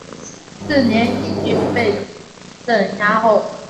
次年义军被镇压后。